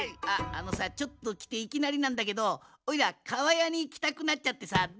ああのさちょっときていきなりなんだけどおいらかわやにいきたくなっちゃってさ。